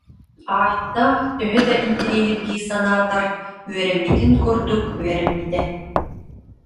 Айта, төһө да интэриэһиргии санаатар, үөрэммитин курдук үөрэммитэ